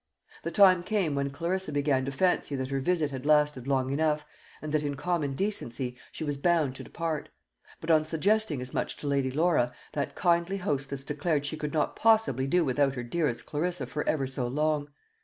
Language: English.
The time came when Clarissa began to fancy that her visit had lasted long enough, and that, in common decency, she was bound to depart; but on suggesting as much to Lady Laura, that kindly hostess declared she could not possibly do without her dearest Clarissa for ever so long.